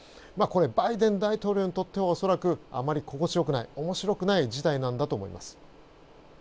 バイデン大統領にとっては恐らくあまり心地良くない面白くない事態なんだと思います。